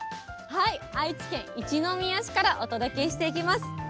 愛知県一宮市からお届けしていきます。